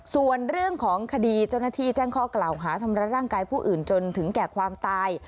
ส่วนเรื่องของคดีเจ้าหน้าที่แจ้งข้อกล่าวหาทำร้ายร่างกายผู้อื่นจนถึงแก่ความตาย